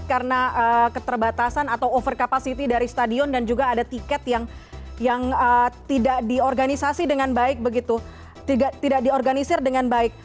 karena terbatasan atau over capacity dari stadion dan juga ada tiket tidak diorganisir dengan baik